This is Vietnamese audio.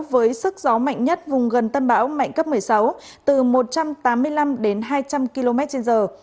với sức gió mạnh nhất vùng gần tâm bão mạnh cấp một mươi sáu từ một trăm tám mươi năm đến hai trăm linh km trên giờ